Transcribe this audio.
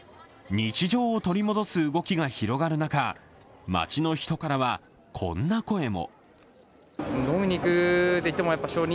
日常を取り戻す動きが広がる中街の人からはこんな声も。